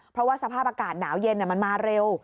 เพราะว่าสภาพอากาศหนาวเย็นมันมาเร็ว